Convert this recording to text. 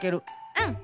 うん。